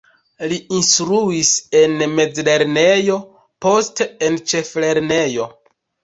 Li instruis en mezlernejo, poste en ĉeflernejo.